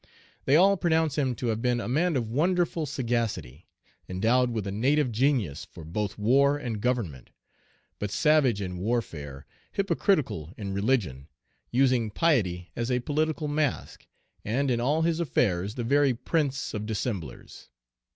They all pronounce him to have been a man of wonderful sagacity, endowed with a native genius for both war and government; but savage in warfare, hypocritical in religion, using piety as a political mask, and, in all his affairs, the very prince of dissemblers.